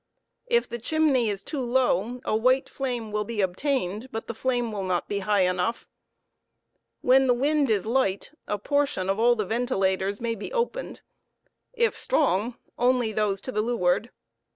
If thechimney is too low a white flame ventuation. w j]l be obtained, but the flame will not be high enough. When the wind is light, a portion of all the ventilators may be opened; if strong, only those to the leeward.